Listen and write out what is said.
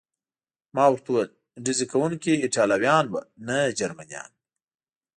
ما ورته وویل: ډزې کوونکي ایټالویان و، نه جرمنیان.